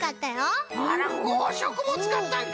あら５しょくもつかったんか！